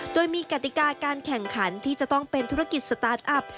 โดยมีกติกาการแข่งขันที่จะต้องเป็นธุรกิจสตาร์ทอัพ